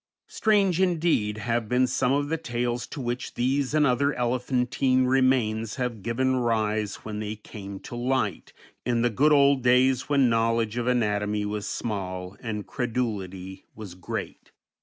Strange indeed have been some of the tales to which these and other elephantine remains have given rise when they came to light in the good old days when knowledge of anatomy was small and credulity was great.